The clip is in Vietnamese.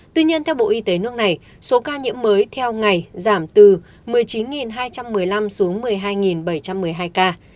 tuy nhiên theo bộ y tế nước này số ca nhiễm mới theo ngày giảm từ một mươi chín hai trăm một mươi năm xuống một mươi hai bảy trăm một mươi hai ca